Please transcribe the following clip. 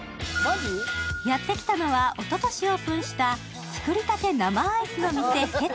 やってきたのは、おととしオープンしたつくりたて生アイスの店Ｈｅｔ